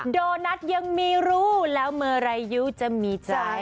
โดนัทยังไม่รู้แล้วเมื่อไหร่ยูจะมีใจ